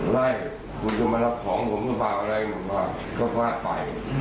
ได้คุณจะมานับของผมต่อไปแหละอะไรของผมเขาพลาดไป